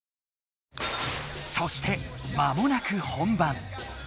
そしてまもなく本番。